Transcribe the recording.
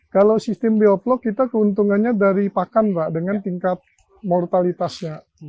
kalau sistem bioplog kita keuntungannya dari pakan mbak dengan tingkat mortalitasnya